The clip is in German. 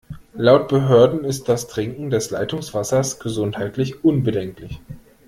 Laut Behörden ist das Trinken des Leitungswassers gesundheitlich unbedenklich.